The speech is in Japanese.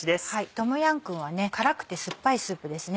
トムヤムクンは辛くて酸っぱいスープですね。